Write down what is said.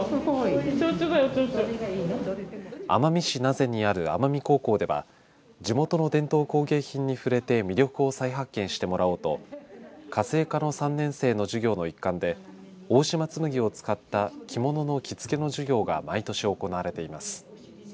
奄美市名瀬にある奄美高校では地元の伝統工芸品に触れて魅力を再発見してもらおうと家政科の３年生の授業の一環で大島紬を使った着物の着付けの授業が毎年行われています。